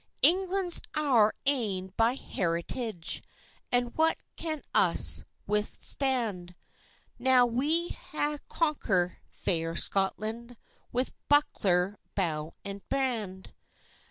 "England's our ain by heritage; And what can us withstand, Now we ha'e conquer'd fair Scotland, With buckler, bow, and brand?"